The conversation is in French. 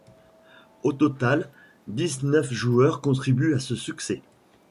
Au total, dix-neuf joueurs contribuent à ce succès.